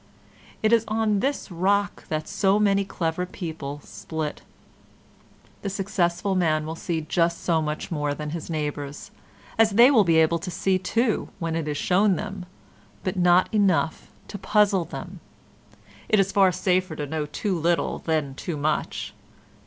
It is on this rock that so many clever people split. The successful man will see just so much more than his neighbours as they will be able to see too when it is shown them, but not enough to puzzle them. It is far safer to know too little than too much.